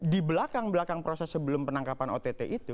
di belakang belakang proses sebelum penangkapan ott itu